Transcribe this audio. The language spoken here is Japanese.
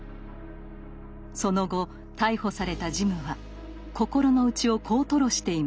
その後逮捕されたジムは心の内をこう吐露しています。